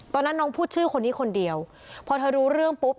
ตอนนั้นน้องพูดชื่อคนนี้คนเดียวพอเธอรู้เรื่องปุ๊บ